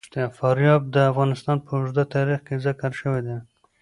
فاریاب د افغانستان په اوږده تاریخ کې ذکر شوی دی.